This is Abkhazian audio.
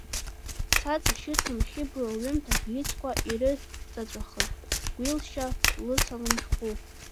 Саҵашьыцуан Хьыбла лҩымҭа абӷьыцқәа ирыҵаҵәахыз Гәилшьа лысалам шәҟәы.